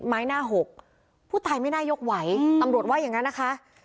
หน้าหกผู้ตายไม่น่ายกไหวตำรวจว่าอย่างนั้นนะคะ